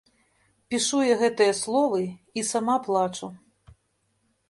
Пішу я гэтыя словы і сама плачу.